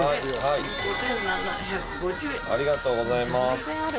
ありがとうございます。